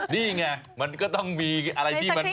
นี่ไงมันก็ต้องมีอะไรที่มัน